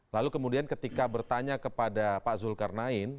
lalu kemudian ketika bertanya kepada pak zulkarnain